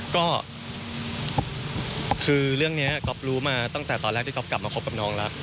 ก็คือเรื่องนี้ก๊อฟรู้มาตั้งแต่ตอนแรกที่ก๊อฟกลับมาคบกับน้องแล้ว